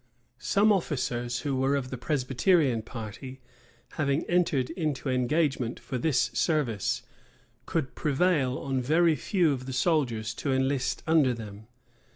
[] Some officers, who were of the Presbyterian party, having entered into engagements for this service, could prevail on very few of the soldiers to enlist under them.